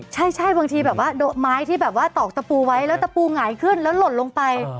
ใช่บางทีแบบว่าไม้ที่แบบว่าตอกตะปูไว้แล้วตะปูหงายขึ้นแล้วหล่นลงไป